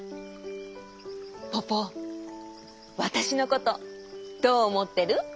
ポポわたしのことどうおもってる？